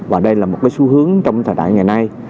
và đây là một cái xu hướng trong thời đại ngày nay